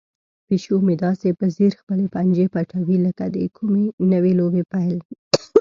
پیشو مې داسې په ځیر خپلې پنجې پټوي لکه د کومې نوې لوبې پیل.